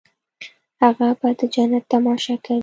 هغه به د جنت تماشه کوي.